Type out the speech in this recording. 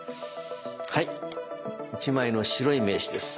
はい１枚の白い名刺です。